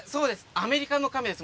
アメリカのカメです